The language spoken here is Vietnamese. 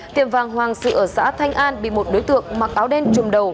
tiệm vàng hoàng sự ở xã thanh an bị một đối tượng mặc áo đen trùm đầu